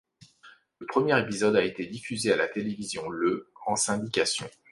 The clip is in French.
Le premier épisode a été diffusées à la télévision le en Syndication.